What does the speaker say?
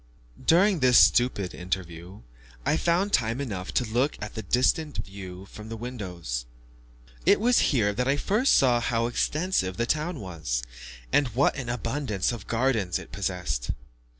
During this stupid interview, I found time enough to look at the distant view from the windows. It was here that I first saw how extensive the town was, and what an abundance of gardens it possessed.